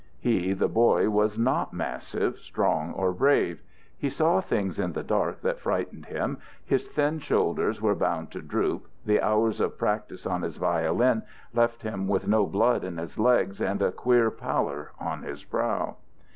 He, the boy, was not massive, strong, or brave; he saw things in the dark that frightened him, his thin shoulders were bound to droop, the hours of practise on his violin left him with no blood in his legs and a queer pallor on his brow.